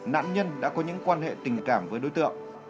nạn nhân đã có những quan hệ tình cảm với đối tượng